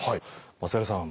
松平さん